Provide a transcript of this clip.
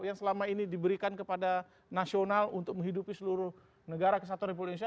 yang selama ini diberikan kepada nasional untuk menghidupi seluruh negara kesatuan republik indonesia